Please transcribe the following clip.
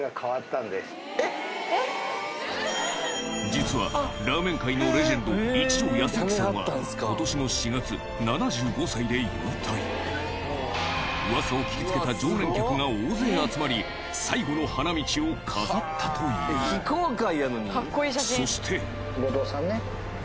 実はラーメン界のレジェンドウワサを聞き付けた常連客が大勢集まり最後の花道を飾ったというそして！